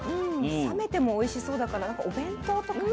冷めてもおいしそうだからなんかお弁当とかね。